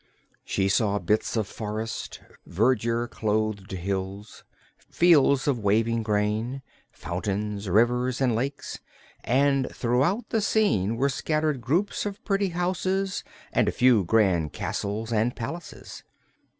She saw bits of forest, verdure clothed hills, fields of waving grain, fountains, rivers and lakes; and throughout the scene were scattered groups of pretty houses and a few grand castles and palaces.